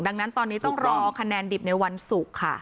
ดังนั้นตอนนี้ต้องรอคะแนนดิบในวันศุกร์ค่ะ